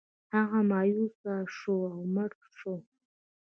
هغه مایوسه شو او مړ شو.